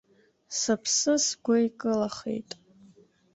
Сыԥсы сгәы икылахеит.